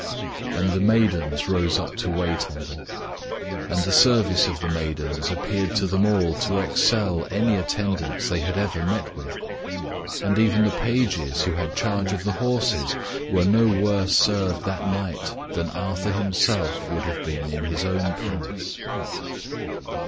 And the maidens rose up to wait on them. And the service of the maidens appeared to them all to excel any attendance they had ever met with; and even the pages, who had charge of the horses, were no worse served that night than Arthur himself would have been in his own palace.